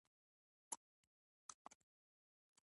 الوتکه د نړۍ زړونه نښلوي.